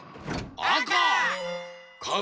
あか！